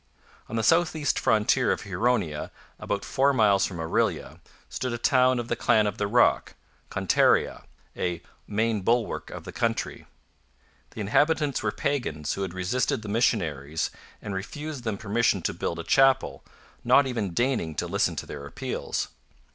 On the south east frontier of Huronia, about four miles from Orillia, stood a town of the clan of the Rock, Contarea, a 'main bulwark of the country.' The inhabitants were pagans who had resisted the missionaries, and refused them permission to build a chapel, not even deigning to listen to their appeals.